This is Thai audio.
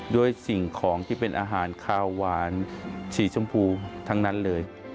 ด้วยสิ่งของที่เป็นอาหารคาวหวานสีชมพูทั้งนั้นเลย